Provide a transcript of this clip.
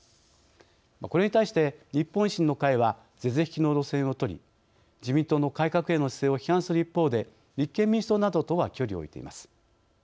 これに対して、日本維新の会は是々非々の路線を取り自民党の改革への姿勢を批判する一方で立憲民主党などとは距離を置いています。